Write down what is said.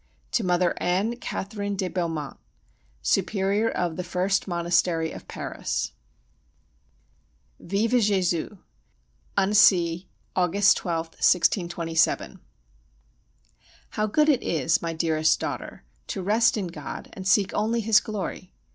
To Mother Anne Catherine de Beaumont, Superior of the First Monastery of Paris. Vive [+] Jésus! ANNECY, August 12th, 1627. How good it is, my dearest daughter, to rest in God and seek only His glory!